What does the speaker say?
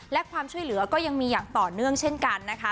และความช่วยเหลือก็ยังมีอย่างต่อเนื่องเช่นกันนะคะ